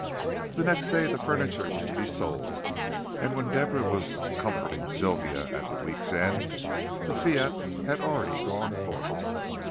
The next day the furniture was to be sold, and when Deborah was comforting Sylvia at the week's end the fiat had already gone forth.